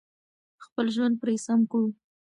خپل ژوند پرې سم کړو.